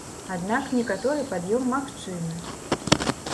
Аднак некаторы пад'ём магчымы.